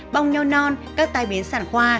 bong nho non các tai bến sản khoa